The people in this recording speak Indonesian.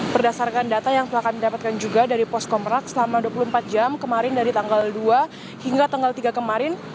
berdasarkan data yang telah kami dapatkan juga dari posko merak selama dua puluh empat jam kemarin dari tanggal dua hingga tanggal tiga kemarin